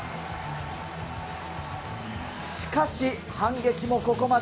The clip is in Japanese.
しかし、反撃もここまで。